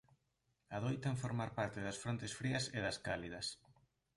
Adoitan formar parte das frontes frías e das cálidas.